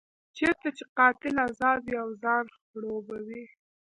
چېرته چې قاتل ازاد وي او ځان خړوبوي.